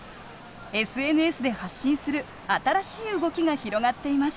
ＳＮＳで発信する新しい動きが広がっています。